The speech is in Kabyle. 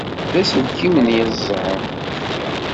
D aselkim n yiẓẓan!